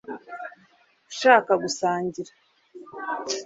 Ushaka gusangira